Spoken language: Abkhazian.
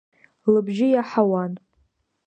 Лыбжьы иаҳауан.